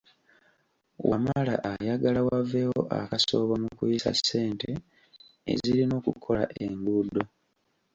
Wamala ayagala waveewo akasoobo mu kuyisa ssente ezirina okukola enguudo.